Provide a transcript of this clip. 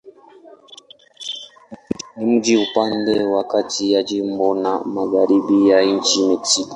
Ni mji upande wa kati ya jimbo na magharibi ya nchi Mexiko.